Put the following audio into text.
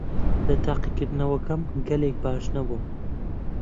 لە تاقیکردنەوەکەم گەلێک باش نەبووم.